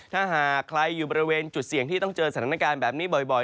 ถ้าหากใครอยู่บริเวณจุดเสี่ยงที่ต้องเจอสถานการณ์แบบนี้บ่อย